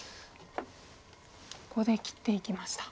ここで切っていきました。